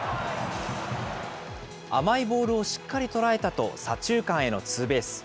甘いボールをしっかり捉えたと、左中間へのツーベース。